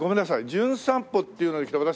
『じゅん散歩』っていうので来た私